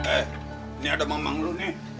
eh ini ada memang lu nih